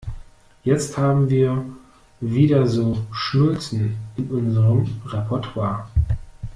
Jetzt haben wir wieder so Schnulzen in unserem Repertoir.